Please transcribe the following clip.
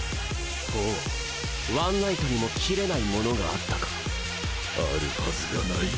ほうワンナイトにも斬れないものがあったかあるはずがない！